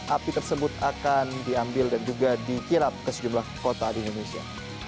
api tersebut akan diambil dan juga dikirap ke sejumlah kota di indonesia